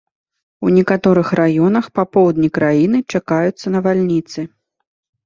У некаторых раёнах па поўдні краіны чакаюцца навальніцы.